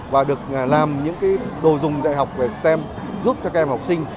và được làm những đồ dùng dạy học về stem giúp cho các em học sinh